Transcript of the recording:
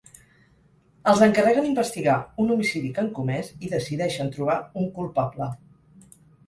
Els encarreguen investigar un homicidi que han comès i decideixen trobar un culpable.